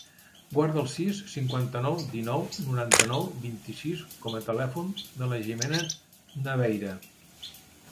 Guarda el sis, cinquanta-nou, dinou, noranta-nou, vint-i-sis com a telèfon de la Jimena Naveira.